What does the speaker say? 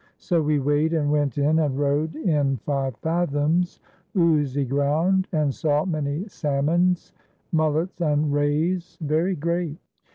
So wee weighed and went in and rode in five fathoms, oozie ground, and saw many salmons, mullets and rayes very great.